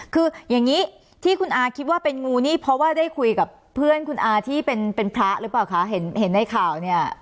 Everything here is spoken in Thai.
คืออย่างนี้ที่คุณอาคิดว่าเป็นงูนี่เพราะว่าได้คุยกับเพื่อนคุณอาที่เป็นพระหรือเปล่าคะเห็นในข่าวเนี่ย